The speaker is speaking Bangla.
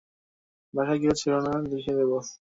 বাসায় কেউ ছিল না লিখে দিবো।